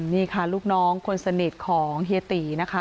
นี่ค่ะลูกน้องคนสนิทของเฮียตีนะคะ